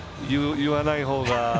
言わないほうが。